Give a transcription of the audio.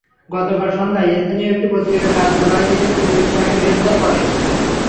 গতকাল সন্ধ্যায় স্থানীয় একটি পত্রিকার কার্যালয় থেকে পুলিশ তাঁকে গ্রেপ্তার করে।